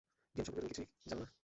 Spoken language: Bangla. গেম সম্পর্কে তুমি কিছুই জানো না?